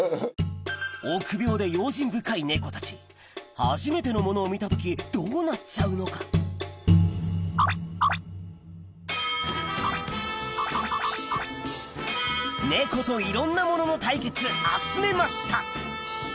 臆病で用心深い猫たち初めてのものを見た時どうなっちゃうのか猫といろんなものの対決集めました